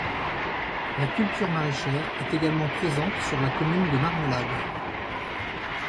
La culture maraîchère est également présente sur la commune de Marmelade.